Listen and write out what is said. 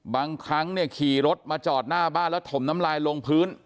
บางครั้งเนี่ยขี่รถมาจอดหน้าบ้านแล้วถมน้ำลายลงพื้น